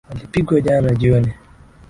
Alipigwa jana jioni.